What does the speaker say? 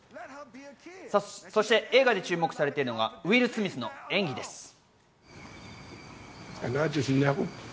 そして映画で注目されているのがウィル・スミスの演技です。